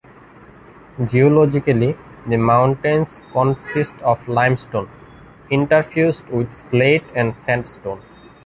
Geologically, the mountains consist of limestone, interfused with slate and sandstone.